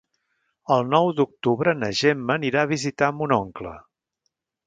El nou d'octubre na Gemma anirà a visitar mon oncle.